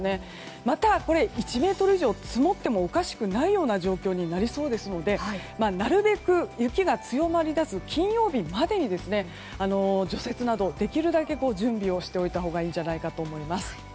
また、１ｍ以上積もってもおかしくないような状況になりそうですのでなるべく、雪が強まり出す金曜日までに除雪などできるだけ準備をしておいたほうがいいんじゃないかと思います。